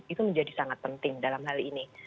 itu menjadi sangat penting dalam hal ini